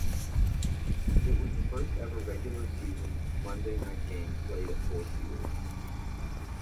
It was the first ever regular season Monday night game played at Ford Field.